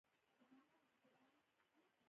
الوتکه د سفر ذوق زیاتوي.